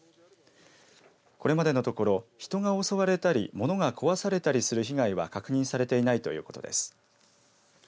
これまでのところ人が襲われたり物が壊されたりする被害は確認されていないということです。